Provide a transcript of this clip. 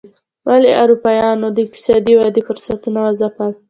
ولې اروپایانو د اقتصادي ودې فرصتونه وځپل.